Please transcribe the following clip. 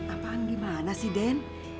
apaan gimana sih den